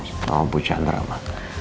sama bu chandra mah